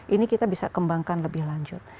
ini kita bisa kembangkan lebih lanjut